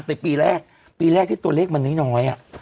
แต่ปีแรกปีแรกที่ตัวเลขมันน้อย